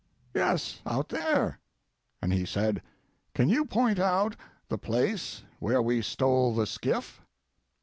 "Yes, out there." And he said, "Can you point out the place where we stole the skiff?"